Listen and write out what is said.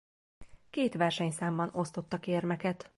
Két versenyszámban osztottak érmeket.